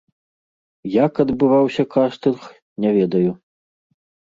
Як адбываўся кастынг, не ведаю.